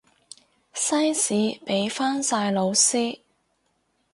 西史畀返晒老師